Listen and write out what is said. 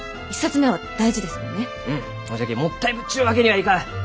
ほんじゃきもったいぶっちゅうわけにはいかん。